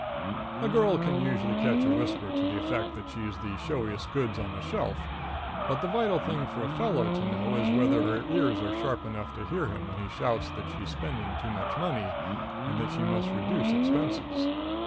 A girl can usually catch a whisper to the effect that she's the showiest goods on the shelf, but the vital thing for a fellow to know is whether her ears are sharp enough to hear him when he shouts that she's spending too much money and that she must reduce expenses.